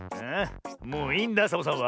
もういいんだサボさんは。